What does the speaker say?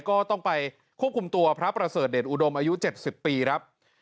ก็ต้องไปควบคุมตัวพระประเสริฐเดชอุดมอายุ๗๐ปีครับ